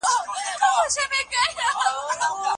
ولي د زړه محبت د انسان په قدرت کې نه دی؟